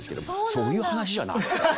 そういう話じゃないですよね！